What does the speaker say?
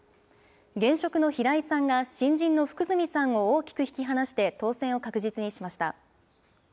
現職の平井さんが、新人の福住さんを大きく引き離して当選を確実にしました。